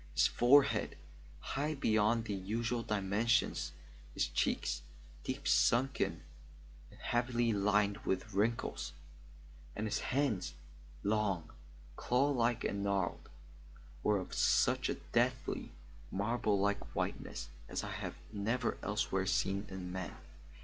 His forehead, high beyond the usual dimensions; his cheeks, deep sunken and heavily lined with wrinkles; and his hands, long, claw like and gnarled, were of such a deathly, marble like whiteness as I have never elsewhere seen in man.